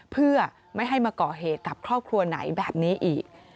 เพื่อไม่ให้มาก่อเหตุกับครอบครัวไหนแบบนี้อีก